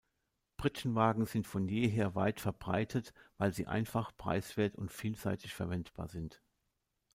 Pritschenwagen sind von jeher weit verbreitet, weil sie einfach, preiswert und vielseitig verwendbar sind.